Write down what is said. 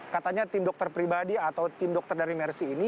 katanya tim dokter pribadi atau tim dokter dari mersi ini